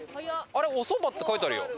あれ「おそば」って書いてあるよ。